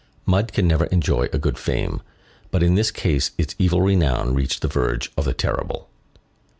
Mud can never enjoy a good fame; but in this case its evil renown reached the verge of the terrible.